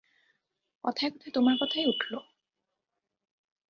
কথায় কথায় তোমার কথাই উঠল।